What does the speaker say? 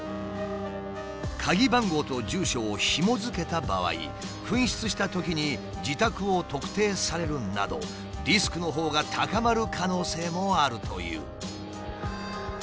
鍵番号と住所をひもづけた場合紛失したときに自宅を特定されるなどリスクのほうが高まる可能性もあるという。